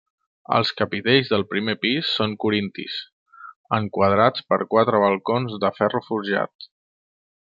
Els capitells del primer pis són corintis, enquadrats per quatre balcons de ferro forjat.